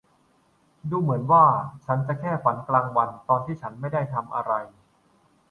ดูเหมือนว่าฉันจะแค่ฝันกลางวันตอนที่ฉันไม่ได้ทำอะไร